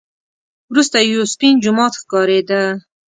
وروسته یو سپین جومات ښکارېده.